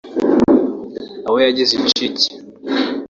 abo yagize incike …